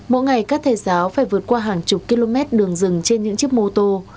mỗi ngày các thầy giáo phải vượt qua hàng chục km đường rừng trên những chiếc mô tô